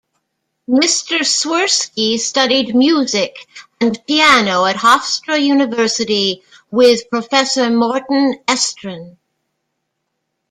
Mr. Swirsky studied music and piano at Hofstra University with professor Morton Estrin.